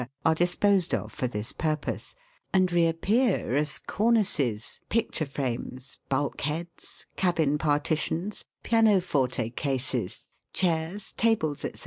are dis posed of for this purpose, and reappear as cornices, picture frames, bulk heads, cabin partitions, pianoforte cases, chairs, tables, &c.